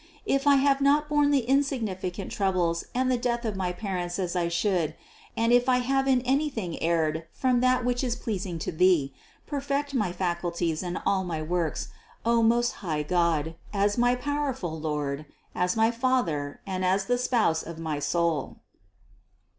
If I have not borne the insignificant troubles and the death of my parents as I should, and if I have in any thing erred from that which is pleasing to Thee, perfect my faculties and all my works, O most high God, as my powerful Lord, as my Father, and as the only Spouse of my soul."